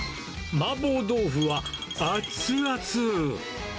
麻婆豆腐は熱々。